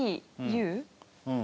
うん。